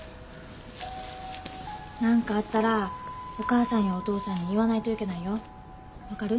なんかあったらお母さんやお父さんに言わないといけないよ分かる？